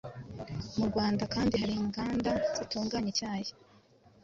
Mu Rwanda kandi hari inganda zitunganya icyayi;